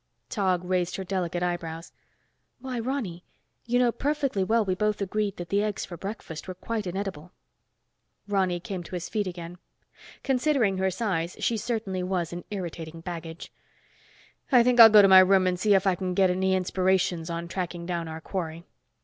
Tog raised her delicate eyebrows. "Why, Ronny. You know perfectly well we both agreed that the eggs for breakfast were quite inedible." Ronny came to his feet again. Considering her size, she certainly was an irritating baggage. "I think I'll go to my room and see if I can get any inspirations on tracking down our quarry."